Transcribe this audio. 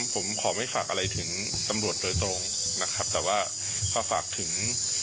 ผมขอไม่ฝากอะไรถึงตำรวจโดยตรงนะครับแต่ว่าก็ฝากถึง